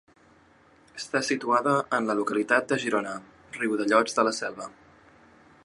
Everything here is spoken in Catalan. Està situada en la localitat de Girona, Riudellots de la Selva.